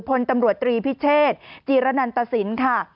พลตำรวจตรีพิเชษจีรนันตสินค่ะ